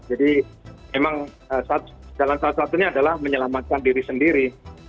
jadi memang jalan salah satunya adalah menyelamatkan diri sendiri